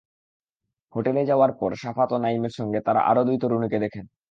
হোটেলে যাওয়ার পর শাফাত ও নাঈমের সঙ্গে তাঁরা আরও দুই তরুণীকে দেখেন।